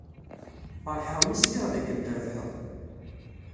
Feṛḥeɣ mi sliɣ dakken trebḥed.